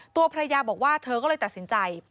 ตัวภรรยาบอกว่าเธอก็เลยตัดสินใจ